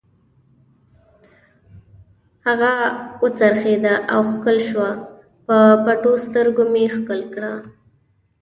هغه و څرخېدله او ښکل شوه، پر پټو سترګو مې ښکل کړه.